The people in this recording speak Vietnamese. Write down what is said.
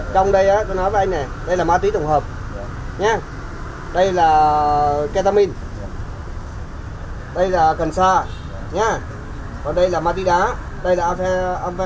trong đây tôi nói với anh nè đây là mati tổng hợp đây là ketamin đây là cansar còn đây là matida đây là amphetamine này